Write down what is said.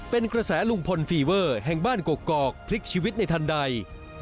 เป็นกระแสลุงพลฟีเวอร์แห่งบ้านกอกพลิกชีวิตในทันใด